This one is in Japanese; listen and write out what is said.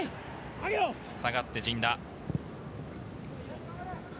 下がって陣田。